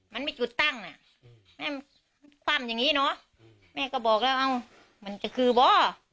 มันไม่จุดตั้งความอย่างงี้เนาะแม่ก็บอกแล้วเอามันจะคือป่ะ